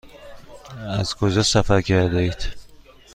از کجا سفر کرده اید؟